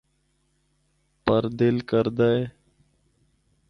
پر دل کردا اے۔